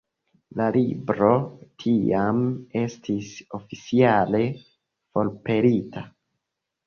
La libro tiam estis oficiale forpelita.